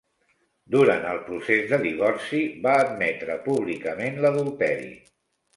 Durant el procés de divorci, va admetre públicament l'adulteri.